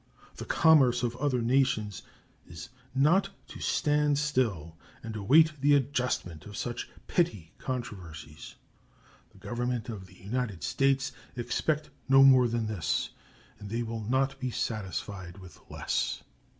The commerce of other nations is not to stand still and await the adjustment of such petty controversies. The Government of the United States expect no more than this, and they will not be satisfied with less.